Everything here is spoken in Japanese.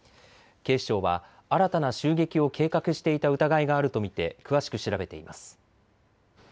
警視庁は新たな襲撃を計画していた疑いがあると見て詳しく調べています。